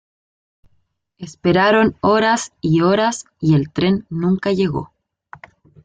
Esperaron horas y horas y el tren nunca llegó.